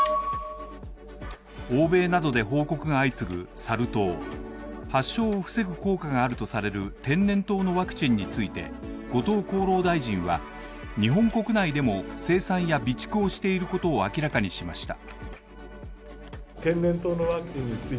欧米などで報告が相次ぐサル痘、発症を防ぐ効果があるとされる天然痘のワクチンについて、後藤厚労大臣は日本国内でも生産や備蓄をしていることを明らかにしました。